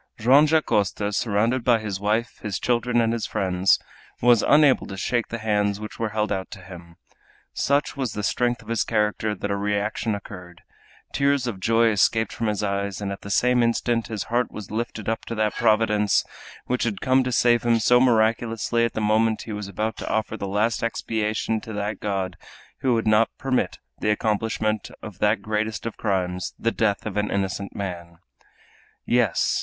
Joam Dacosta, surrounded by his wife, his children, and his friends, was unable to shake the hands which were held out to him. Such was the strength of his character that a reaction occurred, tears of joy escaped from his eyes, and at the same instant his heart was lifted up to that Providence which had come to save him so miraculously at the moment he was about to offer the last expiation to that God who would not permit the accomplishment of that greatest of crimes, the death of an innocent man! Yes!